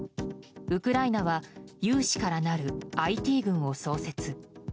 ウクライナは有志からなるＩＴ軍を創設。